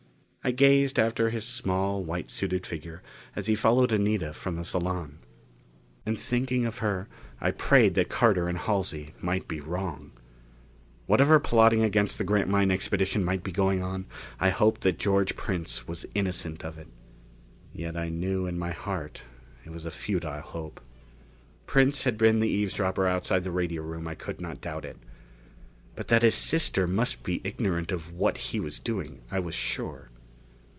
I gazed after his small white suited figure as he followed Anita from the salon. And thinking of her, I prayed that Carter and Halsey might be wrong. Whatever plotting against the Grantline Expedition might be going on, I hoped that George Prince was innocent of it. Yet I knew in my heart it was a futile hope. Prince had been the eavesdropper outside the radio room. I could not doubt it. But that his sister must be ignorant of what he was doing, I was sure.